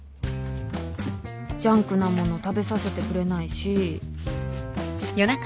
ジャンクな物食べさせてくれないし。